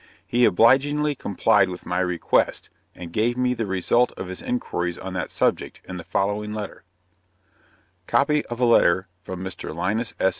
He obligingly complied with my request, and gave me the result of his inquiries on that subject, in the following letter: Copy of a letter from Mr. Linus S.